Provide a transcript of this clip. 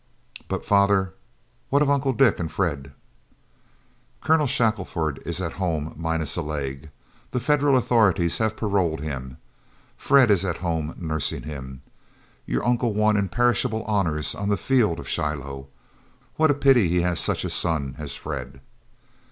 But, father, what of Uncle Dick and Fred?" "Colonel Shackelford is at home minus a leg. The Federal authorities have paroled him. Fred is at home nursing him. Your uncle won imperishable honors on the field of Shiloh. What a pity he has such a son as Fred!"